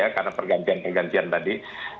karena pergantian pergantian tadi